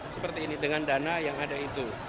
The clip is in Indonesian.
seperti ini dengan dana yang ada itu